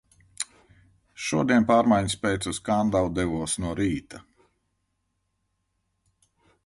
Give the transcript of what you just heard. Šodien pārmaiņas pēc uz Kandavu devos no rīta.